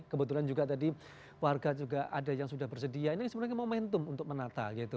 kebetulan juga tadi warga juga ada yang sudah bersedia ini sebenarnya momentum untuk menata gitu